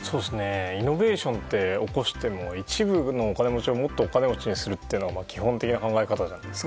イノベーションを起こしても一部のお金持ちをもっとお金持ちにするのが基本的な考え方じゃないですか。